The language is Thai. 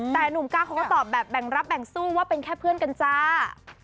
แต่หนุ่มก้าเขาก็ตอบแบบแบ่งรับแบ่งสู้ว่าเป็นแค่เพื่อนกันจ้า